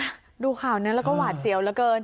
ดูข่าวนั้นแล้วก็หวาดเสียวเหลือเกิน